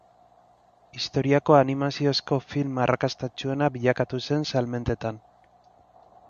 Historiako animaziozko film arrakastatsuena bilakatu zen salmentetan.